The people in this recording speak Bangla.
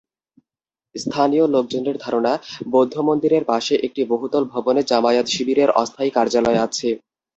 স্থানীয় লোকজনের ধারণা, বৌদ্ধমন্দিরের পাশে একটি বহুতল ভবনে জামায়াত-শিবিরের অস্থায়ী কার্যালয় আছে।